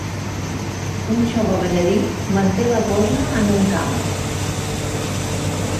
Un jove ballarí manté la pose en un camp